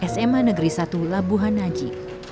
sma negeri satu labuhanaji